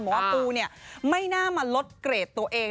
เพราะว่าปูเนี่ยไม่น่ามาลดเกรดตัวเอง